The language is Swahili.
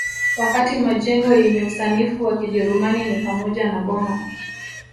Wakati majengo yenye usanifu wa Kijerumani ni pamoja na boma